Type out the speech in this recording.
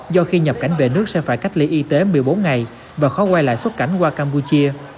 do khi nhập cảnh về nước sẽ phải cách ly y tế một mươi bốn ngày và khó quay lại xuất cảnh qua campuchia